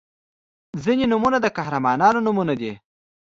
• ځینې نومونه د قهرمانانو نومونه دي.